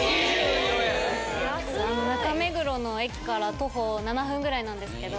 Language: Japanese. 中目黒の駅から徒歩７分ぐらいなんですけど。